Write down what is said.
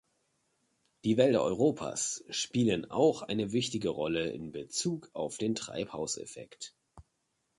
Die Wälder Europas spielen auch eine wichtige Rolle in bezug auf den Treibhauseffekt.